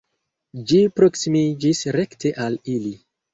Ĝi proksimiĝis rekte al ili.